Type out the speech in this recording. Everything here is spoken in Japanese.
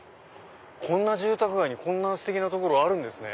こんな住宅街にこんなステキな所あるんですね。